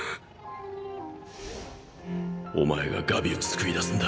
お前がガビを救い出すんだ。